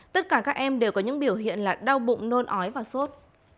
tất cả các em đều có những biểu hiện là đau bụng nôn ói và sốt